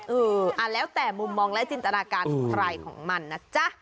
เออแล้วแต่มุมมองและจินตนาการของใครของมันนะจ๊ะ